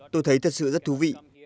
tôi thấy thật sự rất thú vị